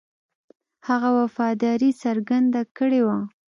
هغه وفاداري څرګنده کړې وه.